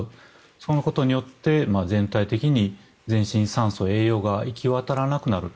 そのことによって全体的に全身に酸素、栄養が行き渡らなくなると。